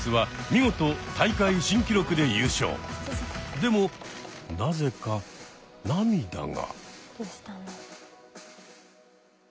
でもなぜか涙が。